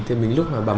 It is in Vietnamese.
thế mình lúc mà bà mơ